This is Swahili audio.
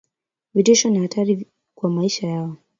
vitisho na hatari kwa maisha yao